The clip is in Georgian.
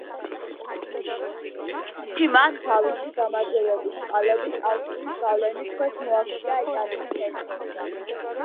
ამ პერიოდში, მან თავისი გამარჯვებების წყალობით ავსტრიის გავლენის ქვეშ მოაქცია იტალიის ტერიტორია.